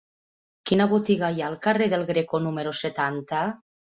Quina botiga hi ha al carrer del Greco número setanta?